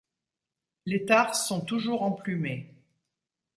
Les tarses sont toujours emplumés.